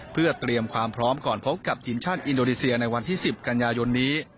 เพื่อเตรียมความพร้อมก่อนพบกับทีมชาติอินโดนีเซียในวันที่๑๐กันยายนนี้